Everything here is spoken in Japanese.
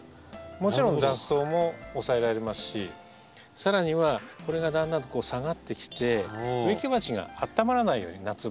もちろん雑草も抑えられますしさらにはこれがだんだんと下がってきて植木鉢があったまらないように夏場。